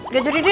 gak jadi deh